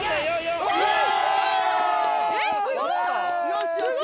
よしよし！